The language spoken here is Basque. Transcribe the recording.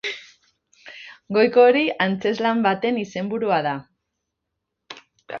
Goiko hori antzezlan baten izenburua da.